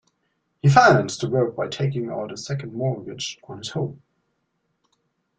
He financed the work by taking out a second mortgage on his home.